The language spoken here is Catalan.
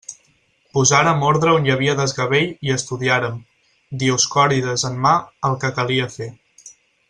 Posàrem ordre on hi havia desgavell i estudiàrem, Dioscòrides en mà, el que calia fer.